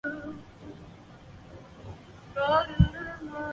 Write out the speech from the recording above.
它属于英国第一级列管建筑与表定古迹。